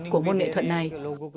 của môn nghệ thuật này